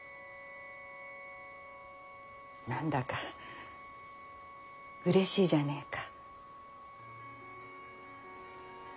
何だかうれしいじゃねぇか。